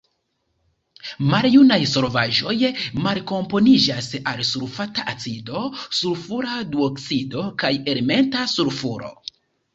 Maljunaj solvaĵoj malkomponiĝas al sulfata acido, sulfura duoksido kaj elementa sulfuro.